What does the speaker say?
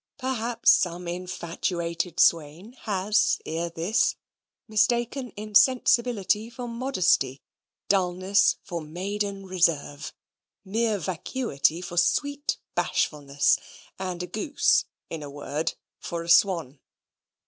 Perhaps some infatuated swain has ere this mistaken insensibility for modesty, dulness for maiden reserve, mere vacuity for sweet bashfulness, and a goose, in a word, for a swan.